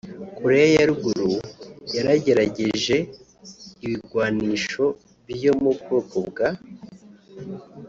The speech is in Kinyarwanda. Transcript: Korea ya Ruguru yaragerageje ibigwanisho vyo mu bwoko bwa